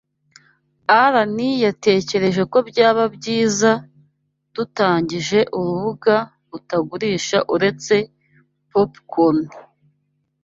Alain yatekereje ko byaba byiza dutangije urubuga rutagurisha uretse popcorn.